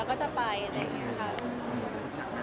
อาจจะใช้ชื่อวิจัยอื่น